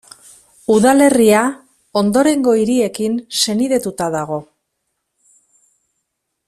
Udalerria ondorengo hiriekin senidetuta dago.